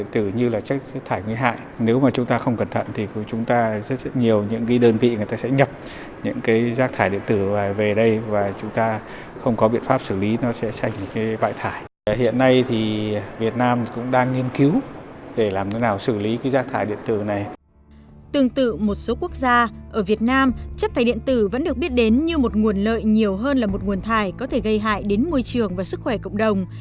tương tự một số quốc gia ở việt nam chất thải điện tử vẫn được biết đến như một nguồn lợi nhiều hơn là một nguồn thải có thể gây hại đến môi trường và sức khỏe cộng đồng